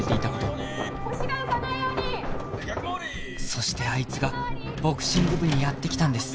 そしてあいつがボクシング部にやって来たんです